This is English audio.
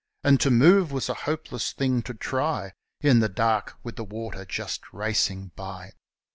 And to move seemed a hopeless thing to try In the dark with the storm water racing by.